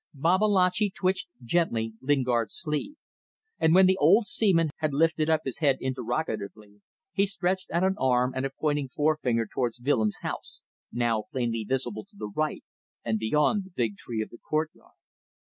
Babalatchi twitched gently Lingard's sleeve, and when the old seaman had lifted up his head interrogatively, he stretched out an arm and a pointing forefinger towards Willems' house, now plainly visible to the right and beyond the big tree of the courtyard.